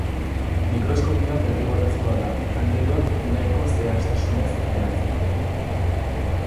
Mikroskopioa derrigorrezkoa da angeluak nahiko zehaztasunez ateratzeko.